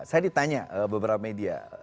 saya ditanya beberapa media